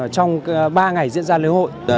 trong ba ngày diễn ra lễ hội